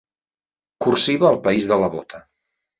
Cursiva al país de la bota.